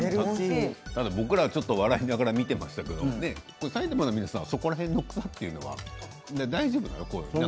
僕ら笑いながら見ていましたが埼玉の皆さんはそこらへんの草というのは大丈夫なの？